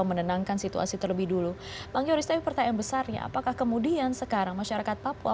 masih ada yang mau